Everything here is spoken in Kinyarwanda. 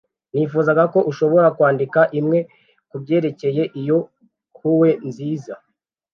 nifuzaga ko nshobora kwandika imwe, kubyerekeye iyo hue nziza